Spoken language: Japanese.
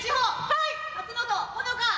はい。